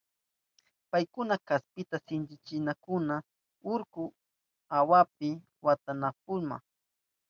Paykuna kaspita sikachishkakuna urkun awapi watanankunapa.